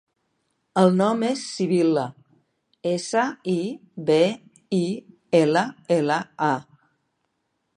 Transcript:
El nom és Sibil·la: essa, i, be, i, ela, ela, a.